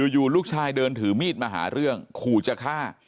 อยู่ลูกชายเดินถือมีดมาหาเรื่องขู่จะฆ่า